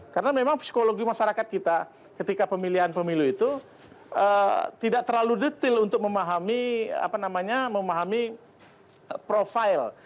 karena memang psikologi masyarakat kita ketika pemilihan pemilu itu tidak terlalu detail untuk memahami apa namanya memahami profil